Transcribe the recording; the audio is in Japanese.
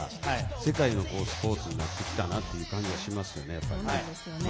世界のスポーツになってきたって感じがしますよね、やっぱりね。